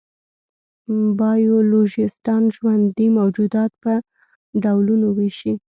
بایولوژېسټان ژوندي موجودات په ډولونو وېشي.